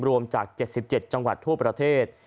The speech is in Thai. รวมจาก๗๗จังหวัดทั่วประเทศ